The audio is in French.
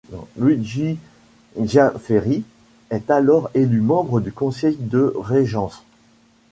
Luigi Giafferi est alors élu membre du conseil de régence.